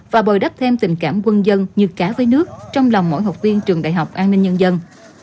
và bồi đắp thêm tình cảm quân dân như cá với nước trong lòng mỗi học viên trường đại học an ninh nhân dân